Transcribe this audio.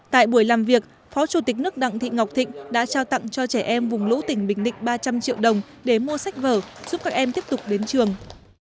tại buổi làm việc phó chủ tịch nước đặng thị ngọc thịnh đã trao tặng cho trẻ em vùng lũ tỉnh bình định ba trăm linh triệu đồng để mua sách vở giúp các em tiếp tục đến trường